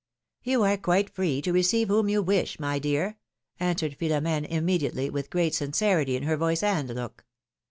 ^^You are quite free to receive whom you wish, my dear," answered Philomene immediately, with great sin cerity in her voice and look.